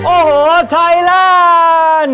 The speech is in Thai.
โอ้โหไทยแลนด์